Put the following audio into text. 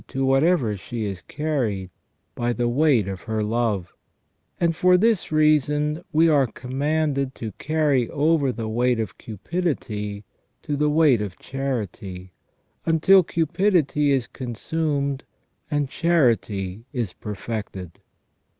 127 to whatever she is carried by the weight of her love ; and for this reason we are commanded to carry over the weight of cupidity to the weight of charity, until cupidity is consumed and charity is perfected".